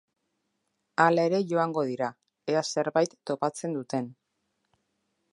Hara ere joango dira, ea zerbait topatzen duten.